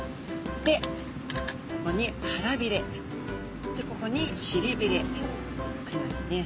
でここに腹びれここに尻びれありますね。